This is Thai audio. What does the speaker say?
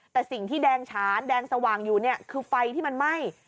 แต่สิ่งที่แดงฉานแดงสว่างอยู่เนี่ยคือไฟที่มันไหม้